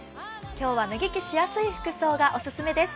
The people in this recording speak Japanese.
今日は脱ぎ着しやすい服装がおすすめです。